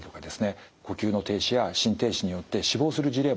呼吸の停止や心停止によって死亡する事例もですね